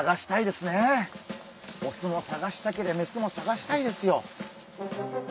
オスも探したけりゃメスも探したいですよ。